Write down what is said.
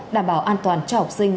đảm bảo an toàn cho học sinh